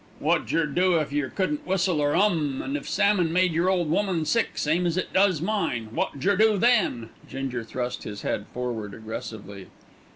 "Wot jer do if yer couldn't whistle or 'um, and if salmon made yer ole woman sick, same as it does mine; wot jer do then?" Ginger thrust his head forward aggressively.